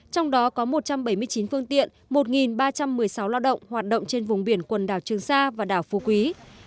trong đó có một trăm bảy mươi chín phương tiện một ba trăm một mươi sáu lao động hoạt động trên vùng biển quần đảo trường sa và đảo phú quý